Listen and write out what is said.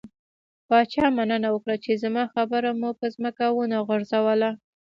پاچا مننه وکړه، چې زما خبره مو په ځمکه ونه غورځوله.